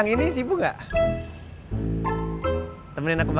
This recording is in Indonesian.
nanti aja aku ceritain disana